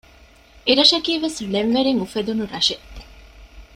އެރަށަކީ ވެސް ޅެން ވެރިން އުފެދުނު ރަށެއް